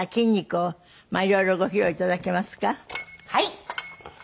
はい。